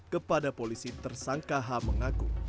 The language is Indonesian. kepada polisi tersangka h mengaku